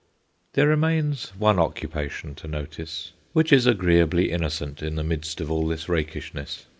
There remains one occupation to notice, which is agreeably innocent in the midst of all this rakishness.